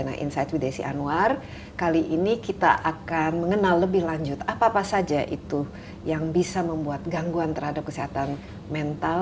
nah insight with desi anwar kali ini kita akan mengenal lebih lanjut apa apa saja itu yang bisa membuat gangguan terhadap kesehatan mental